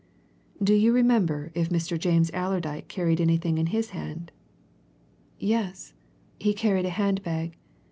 "Do you remember if Mr. James Allerdyke carried anything in his hand?" "Yes, he carried a hand bag.